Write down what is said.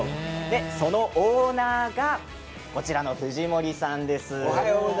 そのオーナーが藤森さんです。